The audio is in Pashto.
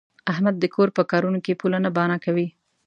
احمد د کور په کارونو کې پوله نه بانه کوي.